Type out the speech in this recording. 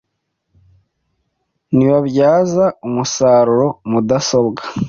nti babyaza umusaruro mudasobwa